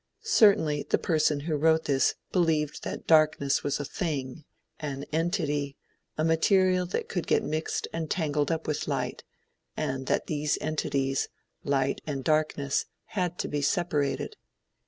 Certainly, the person who wrote this believed that darkness was a thing, an entity, a material that could get mixed and tangled up with light, and that these entities, light and darkness, had to be separated.